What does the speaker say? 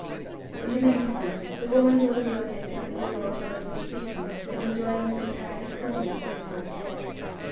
In the meantime the woman who was the object of the grim old fellow's suspicions was enjoying the comparative coolness of the night air.